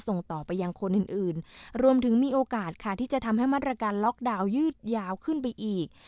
ส่งต่อไปยังคนอื่นอื่นรวมถึงมีโอกาสค่ะที่จะทำให้มาตรการล็อกดาวน์ยืดยาวขึ้นไปอีก